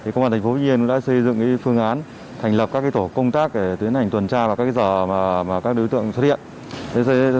công an thành phố vĩnh yên đã xây dựng phương án thành lập các tổ công tác để tiến hành tuần tra vào các giờ các đối tượng xuất hiện